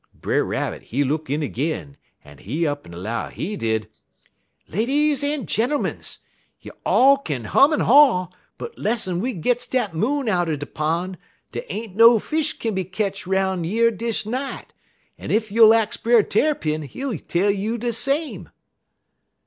Brer Rabbit, he look in ag'in, en he up en 'low, he did: "'Ladies en gentermuns, you all kin hum en haw, but less'n we gits dat Moon out er de pon', dey ain't no fish kin be ketch 'roun' yer dis night; en ef you'll ax Brer Tarrypin, he'll tell you de same.'